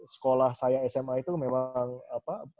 sekolah saya sma itu memang apa